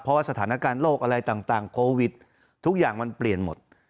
เพราะว่าสถานการณ์โรคอะไรต่างโควิดทุกอย่างมันเปลี่ยนหมด